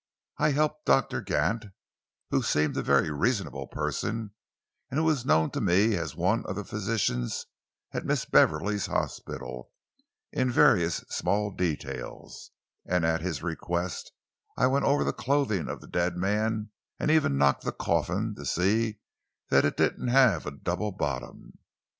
I helped Doctor Gant who seemed a very reasonable person, and who is known to me as one of the physicians at Miss Beverley's hospital in various small details, and at his request I went over the clothing of the dead man and even knocked the coffin to see that it hadn't a double bottom.